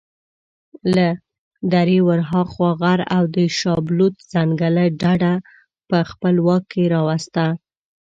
له درې ورهاخوا غر او د شابلوط ځنګله ډډه مو په خپل واک راوسته.